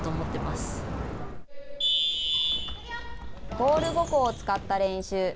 ボール５個を使った練習。